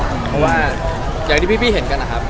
เพราะว่าอย่างที่พี่เห็นกันนะครับ